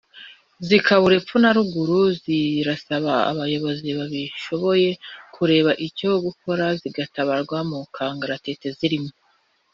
zikabura epfo na ruguru zirasaba abayobozi babishoboye kureba icyo gukora zigatabarwa mu kangaratete zirimo